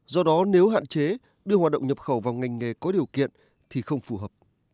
do đó nếu hạn chế đưa hoạt động nhập khẩu vào ngành nghề có điều kiện thì không phù hợp